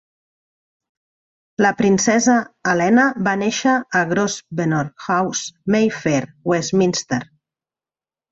La princesa Helena va néixer a Grosvenor House, Mayfair, Westminster.